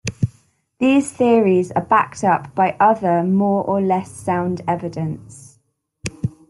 These theories are backed up by other more or less sound evidence.